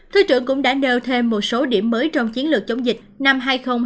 thủ tướng cũng đã nêu thêm một số điểm mới trong chiến lược chống dịch năm hai nghìn hai mươi hai